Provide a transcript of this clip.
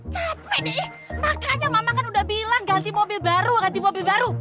capek nih makanya mama kan udah bilang ganti mobil baru ganti mobil baru